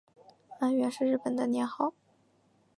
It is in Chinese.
安元是日本的年号。